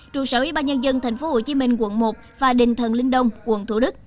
trụ sở ủy ban nhân dân tp hcm quận một và đình thần linh đông quận thủ đức